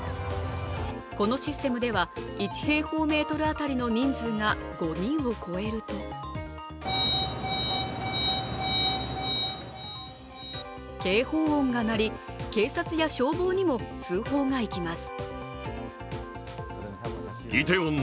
このシステムでは、１平方メートル当たりの人数が５人を超えると警報音が鳴り、警察や消防にも通報がいきます。